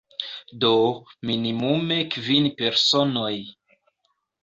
Do, minimume kvin personoj.